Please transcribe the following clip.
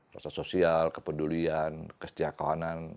rasa sosial kepedulian kesetiakonan